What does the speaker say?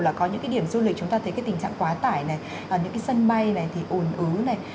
là có những cái điểm du lịch chúng ta thấy cái tình trạng quá tải này những cái sân bay này thì ồn ứ này